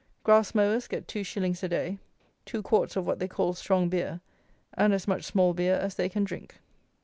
Grass mowers get two shillings a day, two quarts of what they call strong beer, and as much small beer as they can drink.